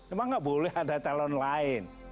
emang nggak boleh ada calon lain